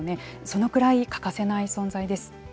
そのくらい欠かせない存在です。